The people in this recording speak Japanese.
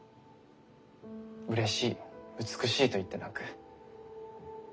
うれしい美しいと言って泣く。